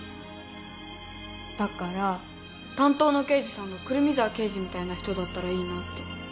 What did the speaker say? だから担当の刑事さんが胡桃沢刑事みたいな人だったらいいなって。